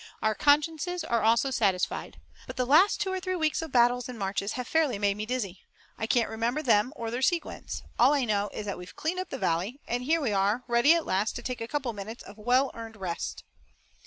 Our consciences also are satisfied. But the last two or three weeks of battles and marches have fairly made me dizzy. I can't remember them or their sequence. All I know is that we've cleaned up the valley, and here we are ready at last to take a couple of minutes of well earned rest."